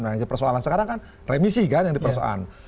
nah persoalan sekarang kan remisi kan yang dipersoalan